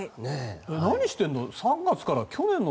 何をしてるの？